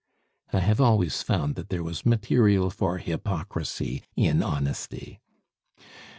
I have always found that there was material for hypocrisy in honesty!